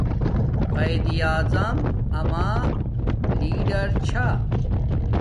قایداعظم اما عظم لیڑر چھا